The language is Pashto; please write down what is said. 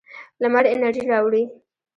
لمر انرژي راوړي.